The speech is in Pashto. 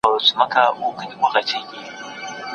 پښتو ژبې ته د کندهار د عالمانو خدمتونه څه دي؟